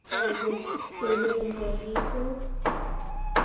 cried David, incredulously.